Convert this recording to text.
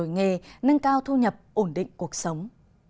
nâng cao thu nhập ổn định cuộc sống